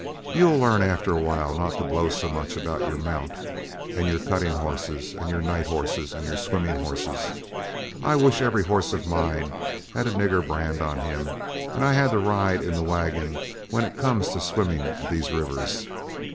You'll learn after a while not to blow so much about your mount, and your cutting horses, and your night horses, and your swimming horses. I wish every horse of mine had a nigger brand on him, and I had to ride in the wagon, when it comes to swimming these rivers.